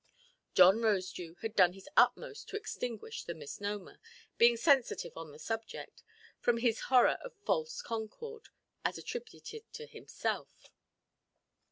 John Rosedew had done his utmost to extinguish the misnomer, being sensitive on the subject, from his horror of false concord, as attributed to himself.